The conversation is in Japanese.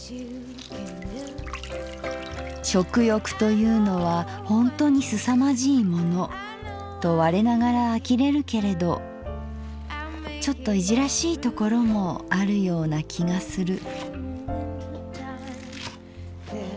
「食欲というのはほんとにすさまじいものと我ながら呆れるけれどちょっといじらしいところもあるような気がする」。